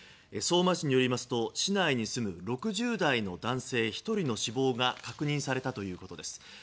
相馬市によりますと市内に住む６０代の男性１人の死亡が確認されたということです。